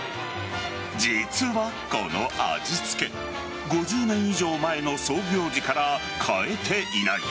実は、この味付け５０年以上前の創業時から変えていない。